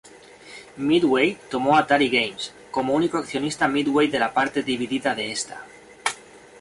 Midway tomó Atari Games, como único accionista Midway de la parte dividida de esta.